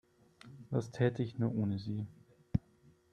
Was täte ich nur ohne Sie?